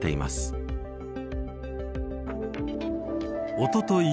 おととい